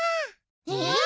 えっ？